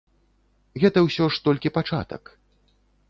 Гэта ўсё ж толькі пачатак.